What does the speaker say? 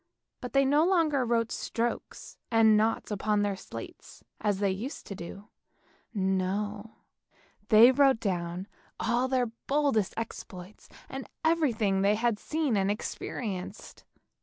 But they no longer wrote strokes and noughts upon their slates as they used to do; no, they wrote down all their boldest exploits, and everything that they had seen and experienced.